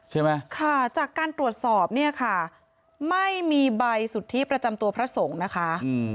ใช่ไหมค่ะจากการตรวจสอบเนี่ยค่ะไม่มีใบสุทธิประจำตัวพระสงฆ์นะคะ